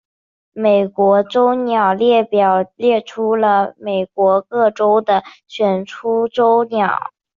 美国州鸟列表列出了美国各州的选出州鸟。